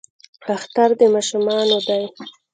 اختر د ماشومانو دی